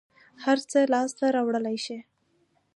هر څه لاس ته راوړلى شې.